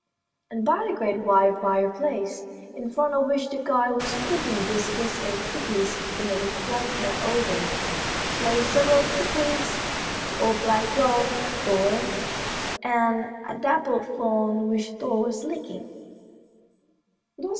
And by the great wide fireplace, in front of which the guide was cooking biscuits and cookies in a reflector oven, lay several kittens, the old black dog, Thor, and a dappled fawn which Thor was licking.